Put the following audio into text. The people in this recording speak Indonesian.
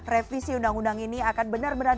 revisi undang undang ini akan benar benar